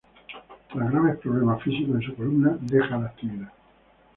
Tras graves problemas físicos en su columna, deja la actividad.